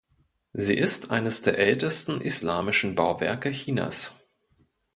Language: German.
Sie ist eines der ältesten islamischen Bauwerke Chinas.